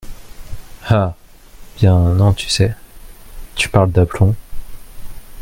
Ah ! bien, non, tu sais, tu parles d’aplomb !…